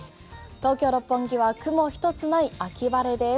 東京・六本木は雲一つない秋晴れです。